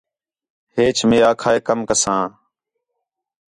ہیچ میں آکھا ہے کَم کساں